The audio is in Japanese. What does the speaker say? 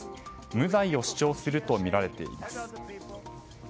無罪を主張するとみられています。